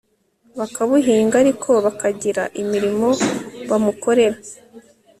bakabuhinga ariko bakagira imirimo bamukorera